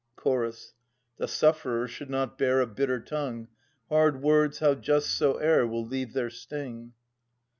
Ch. The sufferer should not bear a bitter tongue. Hard words, how just soe'er, will leave their sting.